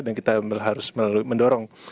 dan kita harus mendorong